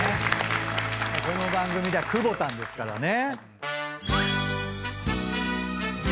この番組ではくぼたんですからね。